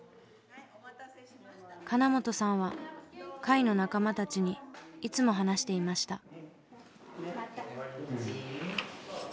金本さんは会の仲間たちにいつも話していました。